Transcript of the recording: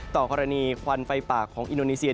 ต่อกรณีควันไฟปากของอินโดนีเซีย